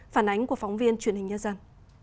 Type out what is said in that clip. phản ánh của phóng viên truyền hình nhớ dân